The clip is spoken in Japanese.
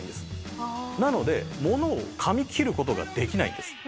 なので物を噛み切る事ができないんです。